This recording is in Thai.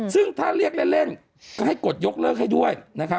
ซึ่งถ้าเรียกเล่นก็ให้กดยกเลิกให้ด้วยนะครับ